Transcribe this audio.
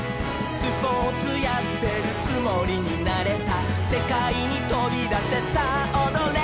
「スポーツやってるつもりになれた」「せかいにとびだせさあおどれ」